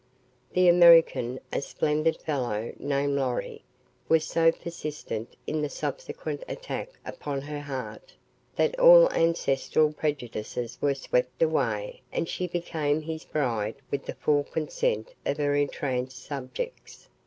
The American, a splendid fellow named Lorry, was so persistent in the subsequent attack upon her heart, that all ancestral prejudices were swept away and she became his bride with the full consent of her entranced subjects.